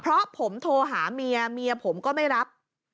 เพราะผมโทรหาเมียเมียผมก็ไม่รับ